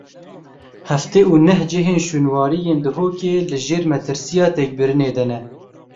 Heftê û neh cihên şûnwarî yên Duhokê li jêr metirsiya têkbirinê de ne.